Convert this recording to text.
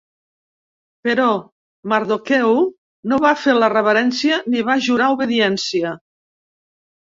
Però Mardoqueu no va fer la reverència ni va jurar obediència.